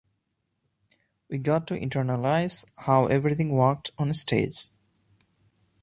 We got to internalize how everything worked on stage.